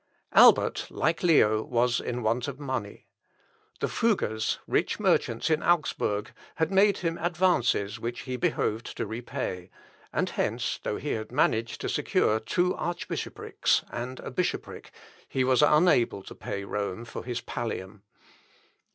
Albert, like Leo, was in want of money. The Fuggers, rich merchants in Augsburg, had made him advances which he behoved to repay, and hence, though he had managed to secure two archbishoprics and a bishopric, he was unable to pay Rome for his Pallium.